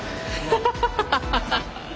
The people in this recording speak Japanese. ハハハハハハ！